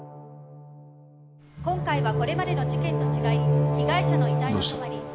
今回はこれまでの事件と違い被害者の遺体のそばに。